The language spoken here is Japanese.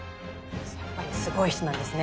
やっぱりすごい人なんですね。